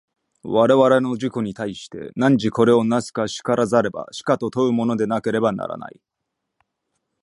我々の自己に対して、汝これを為すか然らざれば死かと問うものでなければならない。